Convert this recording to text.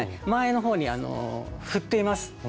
前の方にふっています。